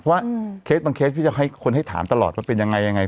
เพราะว่าเคสบางเคสพี่จะให้คนให้ถามตลอดว่าเป็นยังไงยังไง